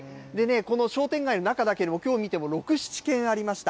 この商店街の中だけでも、きょう見ても６、７軒ありました。